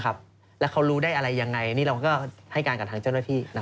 แล้วเขารู้ได้อะไรยังไงนี่เราก็ให้การกับทางเจ้าหน้าที่